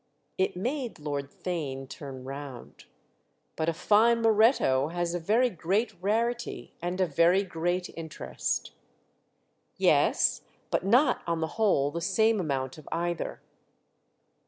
It made Lord Theign turn round. "But a fine Moretto has a very great rarity and a very great interest." "Yes—but not on the whole the same amount of either."